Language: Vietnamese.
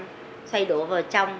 bàn chân quay xoay đổ vào trong